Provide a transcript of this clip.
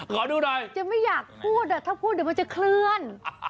ขอดูหน่อยจะไม่อยากพูดถ้าพูดเดี๋ยวมันจะเคลื่อน